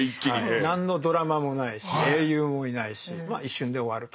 何のドラマもないし英雄もいないし一瞬で終わると。